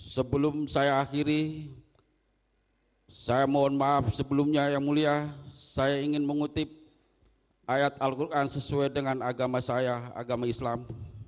sebelum saya akhiri saya mohon maaf sebelumnya yang mulia saya ingin mengutip ayat al quran sesuai dengan agama saya agama islam